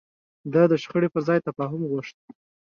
ده د شخړې پر ځای تفاهم غوښت.